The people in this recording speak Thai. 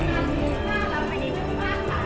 สวัสดีครับ